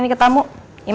dan juga pulang